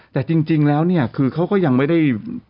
แต่จริงแล้วเนี่ยก็คือยังไม่ได้